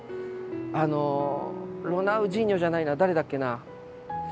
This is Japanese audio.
あのロナウジーニョじゃないな誰だっけな。